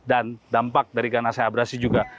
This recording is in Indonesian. dan dampak dari ganasnya abrasi juga